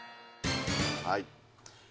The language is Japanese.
はい。